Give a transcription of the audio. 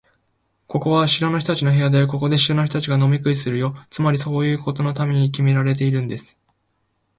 ここは城の人たちの部屋で、ここで城の人たちが飲み食いするのよ。つまり、そういうことのためにきめられているんです。